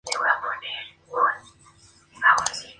En octubre solicitó licencia por enfermedad.